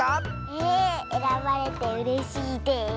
ええらばれてうれしいです。